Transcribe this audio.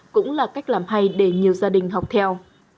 cũng là cách làm hay để nhiều gia đình học theo